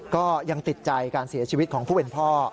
ก็ยังติดใจการเสียชีวิตของผู้เป็นพ่อ